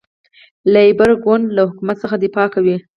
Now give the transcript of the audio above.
لیبرال ګوند له حکومت څخه دفاع کوي.